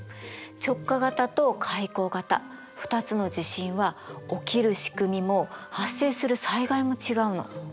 直下型と海溝型２つの地震は起きるしくみも発生する災害も違うの。